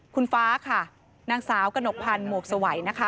คุณฟ้าค่ะนางสาวกระหนกพันธ์หมวกสวัยนะคะ